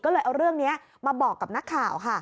ก็เลยเอาเรื่องนี้มาบอกกับนักข่าวค่ะ